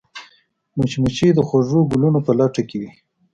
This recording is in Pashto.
مچمچۍ د خوږو ګلونو په لټه کې وي